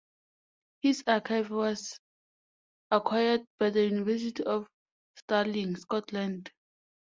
His archive was acquired by the University of Stirling, Scotland.